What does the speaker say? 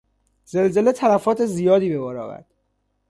زلزله تلفات زیادی به بار آورد.